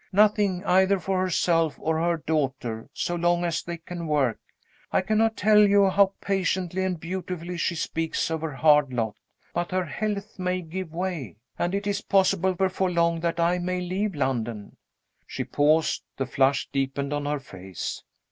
"Nothing, either for herself or her daughter, so long as they can work. I cannot tell you how patiently and beautifully she speaks of her hard lot. But her health may give way and it is possible, before long, that I may leave London." She paused; the flush deepened on her face.